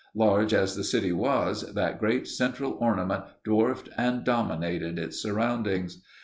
Large as the city was, that great central ornament dwarfed and dominated its surroundings.